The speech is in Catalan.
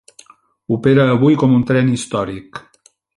Opera avui com un tren històric.